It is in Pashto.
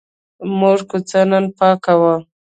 زموږ کوڅه نن پاکه وه.